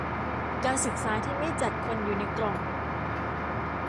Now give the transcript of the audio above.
การศึกษาที่ไม่จัดคนอยู่ในกล่อง